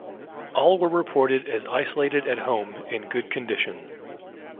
All were reported as isolated at home in good condition.